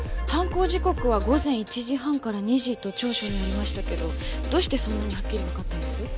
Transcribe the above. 犯行時刻は午前１時半から２時と調書にありましたけどどうしてそんなにはっきりわかったんです？